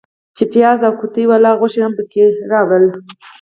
چې پیاز او قوطۍ والا غوښې هم پکې وې راوړل.